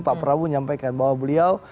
pak prabowo nyampaikan bahwa beliau